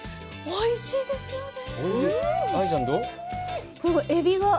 おいしいですよね。